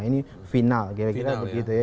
ini final kira kira begitu ya